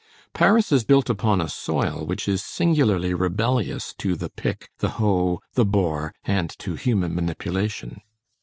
Paris is built upon a soil which is singularly rebellious to the pick, the hoe, the bore, and to human manipulation.